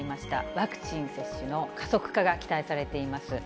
ワクチン接種の加速化が期待されています。